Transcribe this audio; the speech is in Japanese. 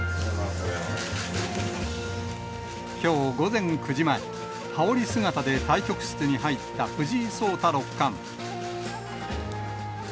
きょう午前９時前、羽織姿で対局室に入った藤井聡太六冠。